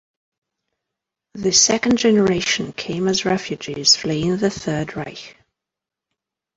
The second generation came as refugees fleeing the Third Reich.